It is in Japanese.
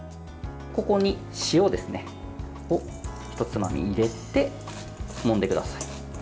ここに塩を一つまみ入れてもんでください。